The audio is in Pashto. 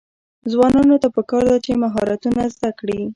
ځوانانو ته پکار ده چې، مهارتونه زده کړي.